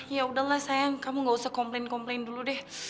ya udahlah sayang kamu gak usah komplain komplain dulu deh